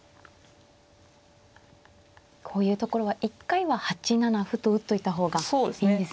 こういうところは一回は８七歩と打っといた方がいいんですね。